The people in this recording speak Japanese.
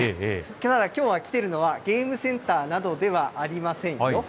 きょうは来てるのは、ゲームセンターなどではありませんよ。